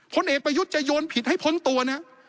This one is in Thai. ผลเอกประยุทธ์จะโยนผิดให้พ้นตัวนะ